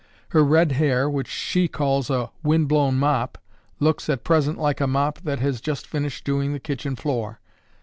Her red hair, which she calls 'a wind blown mop,' looks, at present, like a mop that has just finished doing the kitchen floor.